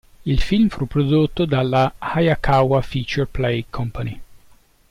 Il film fu prodotto dalla Hayakawa Feature Play Company.